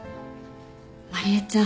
麻理恵ちゃん